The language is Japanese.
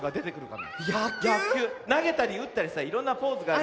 なげたりうったりさいろんなポーズがある。